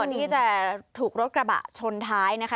ที่จะถูกรถกระบะชนท้ายนะคะ